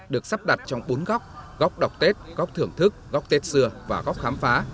được sắp đặt trong bốn góc đọc tết góc thưởng thức góc tết xưa và góc khám phá